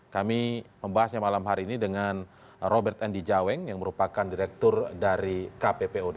kami membahasnya malam hari ini dengan robert and dijaweng yang merupakan direktur dari kppud